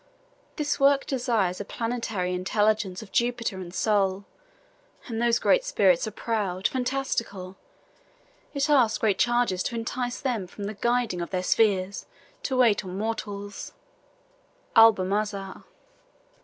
This work desires a planetary intelligence Of Jupiter and Sol; and those great spirits Are proud, fantastical. It asks great charges To entice them from the guiding of their spheres, To wait on mortals. ALBUMAZAR.